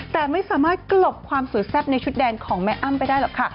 แต่ไม่สามารถกลบความสวยแซ่บในชุดแดนของแม่อ้ำไปได้หรอกค่ะ